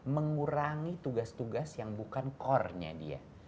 mengurangi tugas tugas yang bukan core nya dia